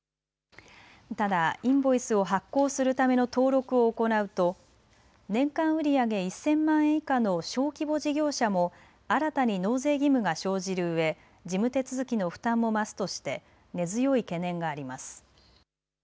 ただインボイスを発行するための登録を行うと年間売り上げ１０００万円以下の小規模事業者も新たに納税義務が生じるうえ、事務手続きの負担も増すとして根強い懸念があります。